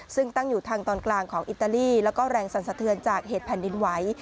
ซึ่งตั้งอยู่ทางตอนกลางของอิตาลีแล้วก็แรงสรรสะเทือนจากเหตุแผ่นดินไหว